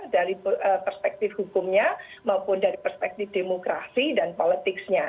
dari perspektif hukumnya maupun dari perspektif demokrasi dan politiknya